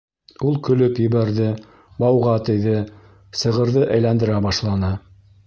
Ул көлөп ебәрҙе, бауға тейҙе, сығырҙы әйләндерә башланы.